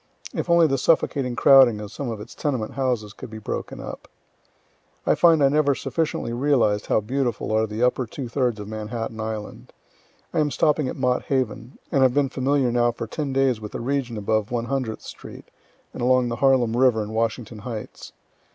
(If only the suffocating crowding of some of its tenement houses could be broken up.) I find I never sufficiently realized how beautiful are the upper two thirds of Manhattan island. I am stopping at Mott Haven, and have been familiar now for ten days with the region above One hundredth street, and along the Harlem river and Washington heights.